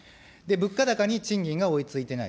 物価高に賃金が追いついてない。